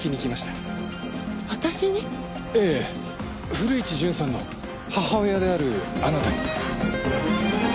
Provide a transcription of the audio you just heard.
古市潤さんの母親であるあなたに。